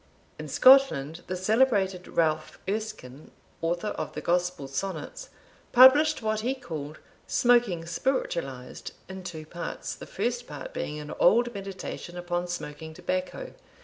_ In Scotland, the celebrated Ralph Erskine, author of the Gospel Sonnets, published what he called "Smoking Spiritualized, in two parts. The first part being an Old Meditation upon Smoking Tobacco."